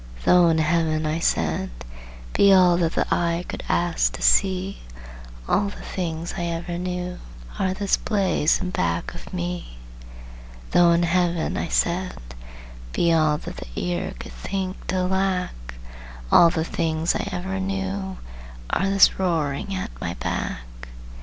"Though in Heaven," I said, "be all That the eye could ask to see, All the things I ever knew Are this blaze in back of me." "Though in Heaven," I said, "be all That the ear could think to lack, All the things I ever knew Are this roaring at my back."